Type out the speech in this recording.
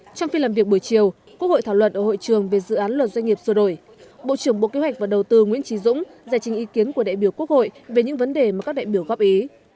trong phiên làm việc buổi chiều quốc hội thảo luận ở hội trường về dự án luật doanh nghiệp sửa đổi bộ trưởng bộ kế hoạch và đầu tư nguyễn trí dũng giải trình ý kiến của đại biểu quốc hội về những vấn đề mà các đại biểu góp ý